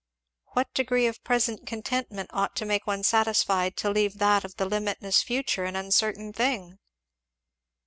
"What degree of present contentment ought to make one satisfied to leave that of the limitless future an uncertain thing?"